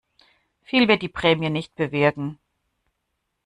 Viel wird die Prämie nicht bewirken.